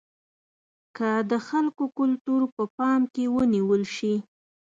که د خلکو کلتور په پام کې ونیول شي.